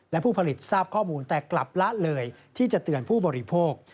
และผู้ผลิตทราบข้อมูลแต่กลับละเลยที่จะเตือนผู้บริโภค